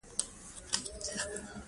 او بالکل اېغ نېغ پاتې شي -